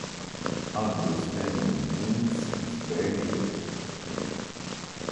Understanding means explaining it.